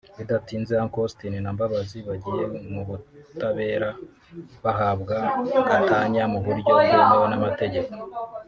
Bidatinze Uncle Austin na Mbabazi bagiye mu butabera bahabwa gatanya mu buryo bwemewe n’amategeko